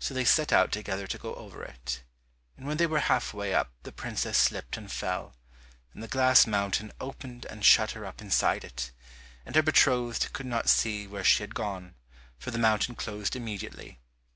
So they set out together to go over it, and when they were half way up the princess slipped and fell, and the glass mountain opened and shut her up inside it, and her betrothed could not see where she had gone, for the mountain closed immediately.